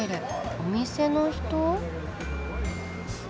お店の人？